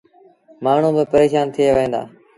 مآڻهوٚݩ با پريشآن ٿئي وهيݩ دآ۔